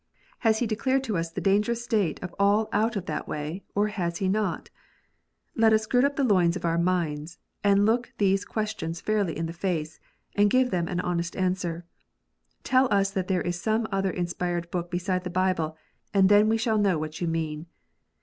Has He declared to us the dangerous state of all out of that way, or has He not ? Let us gird up the loins of our minds, and look these questions fairly in the face, and give them an honest answer. Tell us that there is some other inspired book beside the Bible, and then we shall know what you mean.